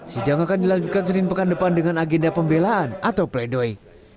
sidang akan dilanjutkan senin pekan depan dengan agenda pembelaan atau pledoi